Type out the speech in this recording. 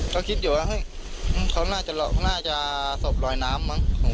ก็คิดอยู่อะเฮ้ยเขาน่าจะส่องรอยหน้ามั้ง